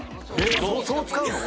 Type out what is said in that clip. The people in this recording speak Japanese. そう使うの？